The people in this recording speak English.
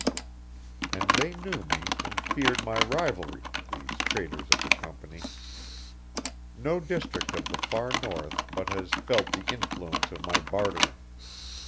And they knew me and feared my rivalry, these traders of the Company. No district of the far North but has felt the influence of my bartering.